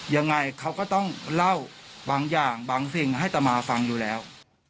ยังไงเขาก็ต้องเล่าบางอย่างบางสิ่งให้ตามาฟังอยู่แล้ว